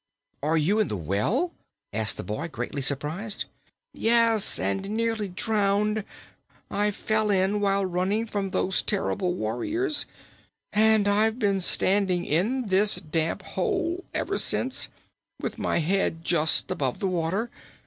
"Are you in the well?" asked the boy, greatly surprised. "Yes, and nearly drowned. I fell in while running from those terrible warriors, and I've been standing in this damp hole ever since, with my head just above the water.